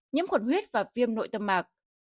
nhiễm khuẩn huyết và viêm nội tâm mạc